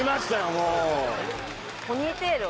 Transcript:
もう。